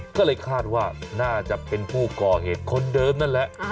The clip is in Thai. ก็เลยคาดว่าน่าจะเป็นผู้ก่อเหตุคนเดิมนั่นแหละ